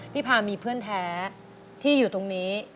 พามีเพื่อนแท้ที่อยู่ตรงนี้